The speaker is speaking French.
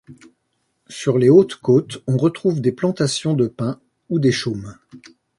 Sur les hautes côtes, on retrouve des plantations de pins ou des chaumes.